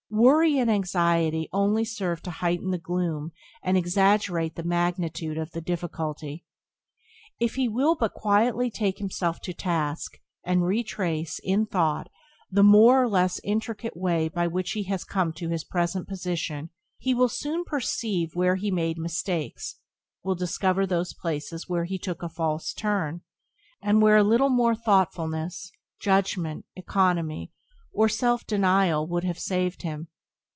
Worry and anxiety only serve to heighten the gloom and exaggerate the magnitude of the difficulty. If he will but quietly take himself to task, and retrace, in thought, the more or less intricate way by which he has come to his present position, he will soon perceive where he made mistakes; will discover those places where he took a false turn, and where a little more thoughtfulness, judgment, economy, or self denial would have saved him.